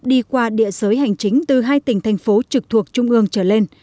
đi qua địa giới hành chính từ hai tỉnh thành phố trực thuộc trung ương trở lên